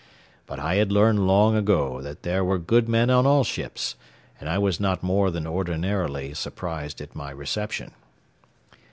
But I had learned long ago that there were good men on all ships, and I was not more than ordinarily surprised at my reception.